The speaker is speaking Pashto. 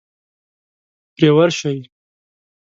پرې ورشئ.